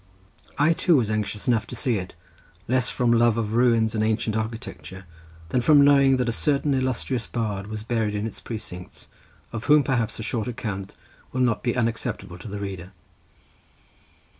I too was anxious enough to see it, less from love of ruins and ancient architecture, than from knowing that a certain illustrious bard was buried in its precincts, of whom perhaps a short account will not be unacceptable to the reader.